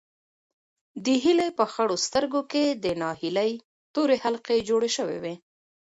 د هیلې په خړو سترګو کې د ناهیلۍ تورې حلقې جوړې شوې وې.